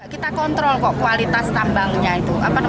kita kontrol kualitas tambangnya